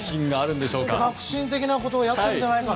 革新的なことをやってくれるんじゃないか。